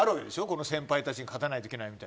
この先輩たちに勝たなきゃいけないって。